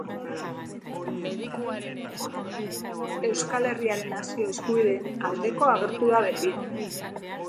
Euskal Herriaren nazio eskubideen aldeko agertu da beti.